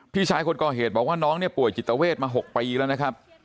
พี่ชายคนก่อเหตุบอกว่าน้องเนี่ยป่วยจิตเวทมา๖ปีแล้วนะครับ